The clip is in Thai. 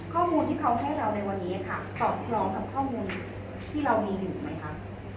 ข้อมูลที่เขาให้เราในวันนี้ค่ะสอดคล้องกับข้อมูลที่เรามีอยู่ไหมคะ